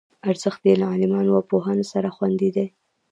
ارزښت یې له عالمانو او پوهانو سره خوندي دی.